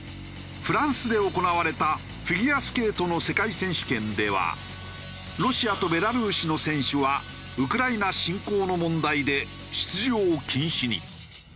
フランスで行われたフィギュアスケートの世界選手権ではロシアとベラルーシの選手はウクライナ侵攻の問題で出場禁止に。